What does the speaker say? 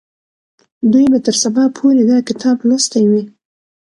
دوی به تر سبا پورې دا کتاب لوستی وي.